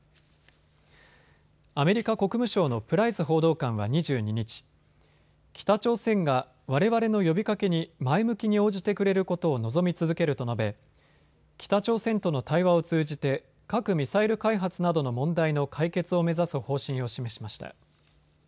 アメリカ国務省のプライス報道官は２２日、北朝鮮が、われわれの呼びかけに前向きに応じてくれることを望み続けると述べ、北朝鮮との対話を通じて核・ミサイル開発などの問題の解決を目指す方針を示しました。